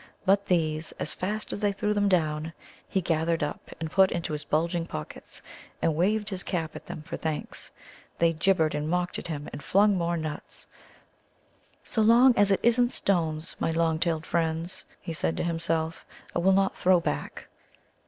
But these, as fast as they threw them down, he gathered up and put into his bulging pockets, and waved his cap at them for thanks. They gibbered and mocked at him, and flung more nuts. "So long as it isn't stones, my long tailed friends," he said to himself, "I will not throw back."